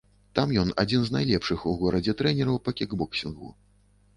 Там ён адзін з найлепшых у горадзе трэнераў па кікбоксінгу.